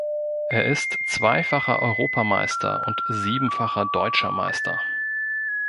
Er ist zweifacher Europameister und siebenfacher Deutscher Meister.